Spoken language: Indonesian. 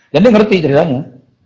dan dia ngerti ceritanya